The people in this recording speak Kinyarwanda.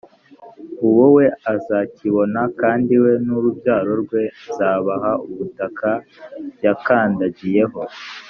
uwo we azakibona, kandi we n’urubyaro rwe nzabaha ubutaka yakandagiyeho